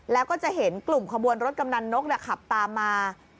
แล้วก็จะเห็นกลุ่มขบวนรถกำนันนกขับตามมา